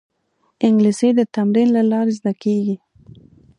انګلیسي د تمرین له لارې زده کېږي